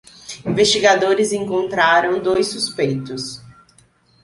Investigadores encontraram dois suspeitos